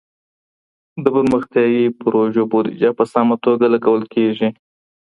د پرمختيايي پروژو بوديجه په سمه توګه لګول کيږي.